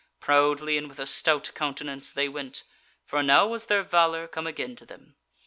Proudly and with a stout countenance they went, for now was their valour come again to them.